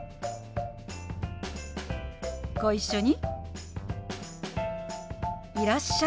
ご一緒に。